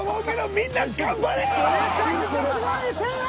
めちゃくちゃすごい声援！